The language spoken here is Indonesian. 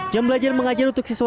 jam belajar mengajar untuk siswa